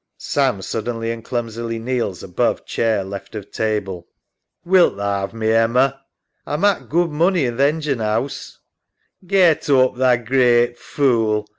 «AM {suddenly and clumsily kneels above chair left of table). Wilt tha 'ave me, Emma? A mak' good money in th' engine house. EMMA. Get oop, tha great fool.